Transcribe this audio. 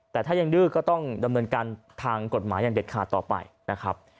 แต่ถ้ายังดื้อก็ต้องดำเนินการทางกฎหมายอย่างเด็ดขาดต่อไปนะครับ